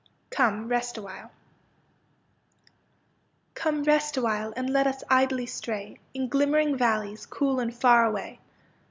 44 COME, REST AWHILE Come, rest awhile, and let us idly stray In glimmering valleys, cool and far away.